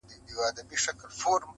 نه آذان د خوږ بلال سوم